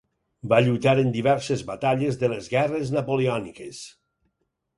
Va lluitar en diverses batalles de les guerres napoleòniques.